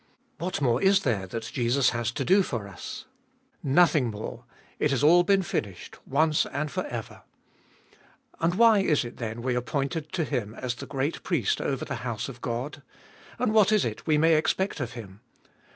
What more is there that Jesus has to 366 Gbe iboliest of BU do for us ? Nothing more ; it has all been finished, once and for ever. And why is it then we are pointed to Him as the great Priest over the house of God ? And what is it we may expect of Him